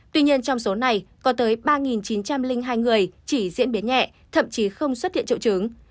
tuy nhiên trong số này có tới ba chín trăm linh hai người chỉ diễn biến nhẹ thậm chí không xuất hiện triệu chứng